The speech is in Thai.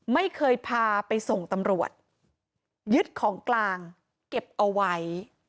ไม่เคยพาไปส่งตำรวจยึดของกลางเก็บเอาไว้